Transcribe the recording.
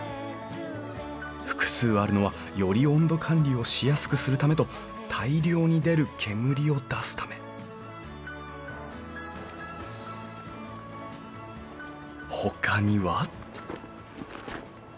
複数あるのはより温度管理をしやすくするためと大量に出る煙を出すためほかには？